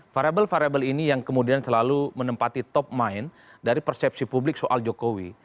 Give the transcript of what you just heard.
variable variable ini yang kemudian selalu menempati top mind dari persepsi publik soal jokowi